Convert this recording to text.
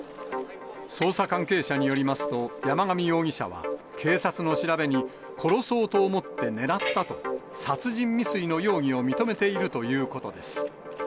捜査関係者によりますと、山上容疑者は、警察の調べに、殺そうと思って狙ったと、殺人未遂の容疑を認めているということです。